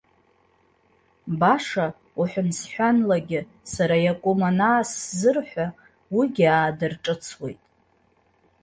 Баша, уҳәансҳәанлагьы сара иакәым анаасзырҳәа, уигьы аадырҿыцуеит.